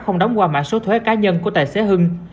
không đóng qua mã số thuế cá nhân của tài xế hưng